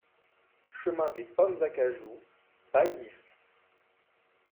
Chemin des Pommes Acajou, Baillif